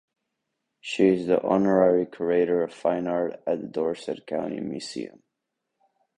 She is the Honorary Curator of Fine Art at the Dorset County Museum.